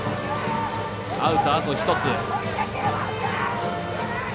アウト、あと１つ。